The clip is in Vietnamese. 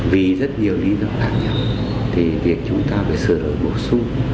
vì rất nhiều lý do đáng nhận thì việc chúng ta phải sửa đổi bổ sung